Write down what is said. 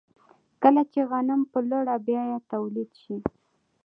کله چې غنم په لوړه بیه تولید شي